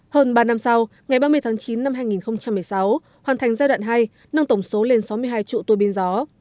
hơn ba năm sau ngày ba mươi tháng chín năm hai nghìn một mươi sáu hoàn thành giai đoạn hai nâng tổng số lên sáu mươi hai trụ tùa pin gió